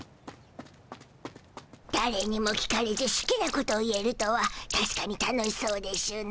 だれにも聞かれずすきなこと言えるとはたしかに楽しそうでしゅな。